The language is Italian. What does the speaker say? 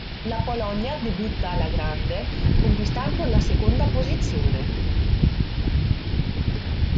La Polonia debutta alla grande, conquistando la seconda posizione.